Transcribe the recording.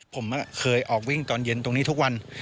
ผมเคยออกวิ่งตอนเย็นตรงนี้ทุกวัน